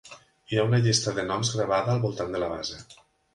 Hi ha una llista de noms gravada al voltant de la base.